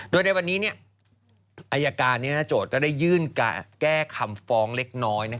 โดยในวันนี้อายการโจทย์ก็ได้ยื่นแก้คำฟ้องเล็กน้อย